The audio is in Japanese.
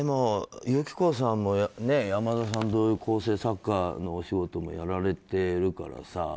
友紀子さんも山田さん同様構成作家のお仕事もやられてるからさ。